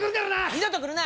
二度と来るな！